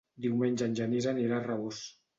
Diumenge en Genís anirà a Rabós.